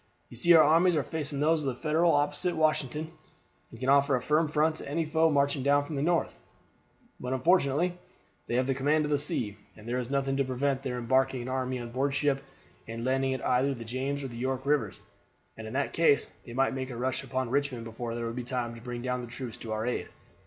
"You see, our armies are facing those of the Federals opposite Washington, and can offer a firm front to any foe marching down from the North; but, unfortunately they have the command of the sea, and there is nothing to prevent their embarking an army on board ship and landing it in either the James or the York Rivers, and in that case they might make a rush upon Richmond before there would be time to bring down troops to our aid.